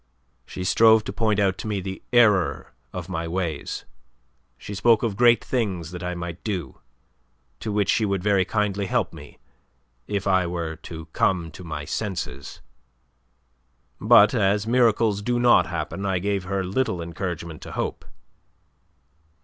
"She strove to point out to me the error of my ways. She spoke of great things that I might do to which she would very kindly help me if I were to come to my senses. But as miracles do not happen, I gave her little encouragement to hope."